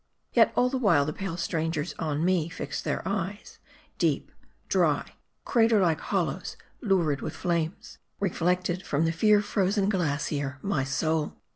Yet all the while, the pale strangers on me fixed their eyes ; deep, dry, crater like hollows, lurid with flames, reflected from the fear frozen glacier, my soul.